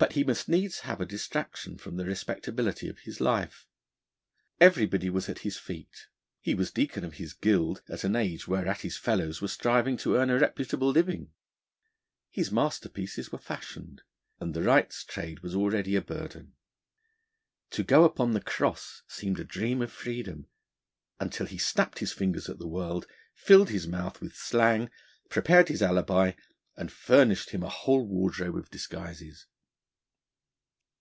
But he must needs have a distraction from the respectability of his life. Everybody was at his feet; he was Deacon of his Guild, at an age whereat his fellows were striving to earn a reputable living; his masterpieces were fashioned, and the wrights' trade was already a burden. To go upon the cross seemed a dream of freedom, until he snapped his fingers at the world, filled his mouth with slang, prepared his alibi, and furnished him a whole wardrobe of disguises.